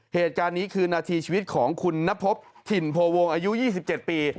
เหตุการณ์นี้คือนาทีชีวิตของคุณนพบถิ่นโพวงอายุ๒๗ปี